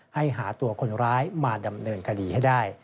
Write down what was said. ให้หาตัวคนร้ายมาดำเนินคดีให้ได้